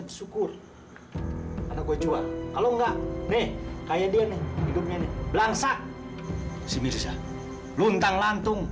bersyukur anak gue jual kalau enggak nih kayak dia nih hidupnya nih langsat si mirza luntang lantung